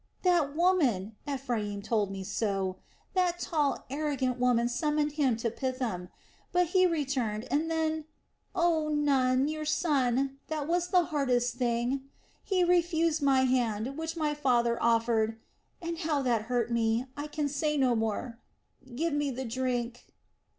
That woman Ephraim told me so that tall, arrogant woman summoned him to Pithom. But he returned, and then.... Oh, Nun, your son... that was the hardest thing! ... He refused my hand, which my father offered.... And how that hurt me!... I can say no more!... Give me the drink!"